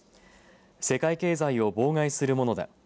世界経済を妨害するものだ。